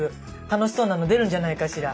楽しそうなの出るんじゃないかしら。